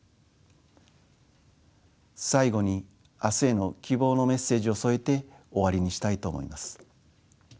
最後に明日への希望のメッセージを添えて終わりにしたいと思います。